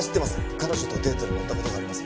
彼女とデートで乗った事があります。